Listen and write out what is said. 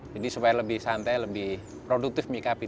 jadi supaya lebih santai lebih produktif menyikapnya